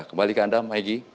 kembali ke anda maegi